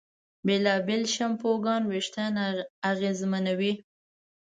بېلابېل شیمپوګان وېښتيان اغېزمنوي.